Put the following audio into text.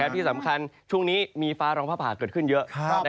ที่สำคัญช่วงนี้มีฟ้าร้องผ้าผ่าเกิดขึ้นเยอะ